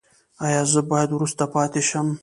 ایا زه باید وروسته پاتې شم؟